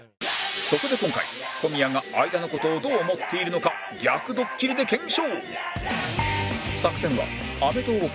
そこで今回小宮が相田の事をどう思っているのか逆ドッキリで検証！